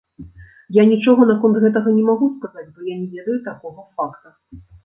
Я нічога наконт гэтага не магу сказаць, бо я не ведаю такога факта.